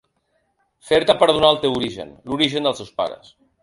Fer-te perdonar el teu origen, l’origen dels teus pares.